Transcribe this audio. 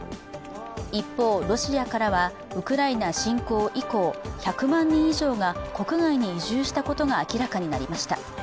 一方、ロシアからはウクライナ侵攻以降、１００万人以上が、国外に移住したことが明らかになりました。